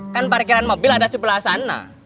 kan parkiran mobil ada sebelah sana